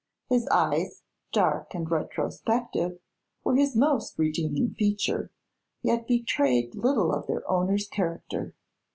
His eyes, dark and retrospective, were his most redeeming feature, yet betrayed little of their owner's character.